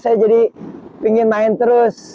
saya jadi pengen main terus